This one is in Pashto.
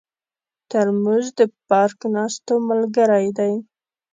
ترموز د پارک ناستو ملګری دی.